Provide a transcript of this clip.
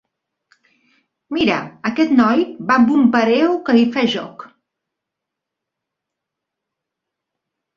Mira, aquest noi va amb un pareo que hi fa joc.